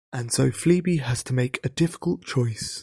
And so Fleabee has to make a difficult choice.